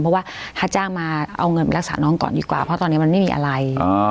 เพราะว่าถ้าจ้างมาเอาเงินไปรักษาน้องก่อนดีกว่าเพราะตอนนี้มันไม่มีอะไร